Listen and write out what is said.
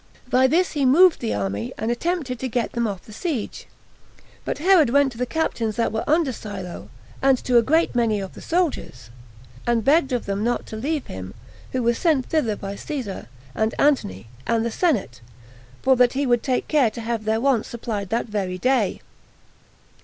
By this he moved the army, and attempted to get them off the siege; but Herod went to the captains that were under Silo, and to a great many of the soldiers, and begged of them not to leave him, who was sent thither by Caesar, and Antony, and the senate; for that he would take care to have their wants supplied that very day.